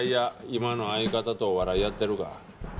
今の相方とお笑いやってるか。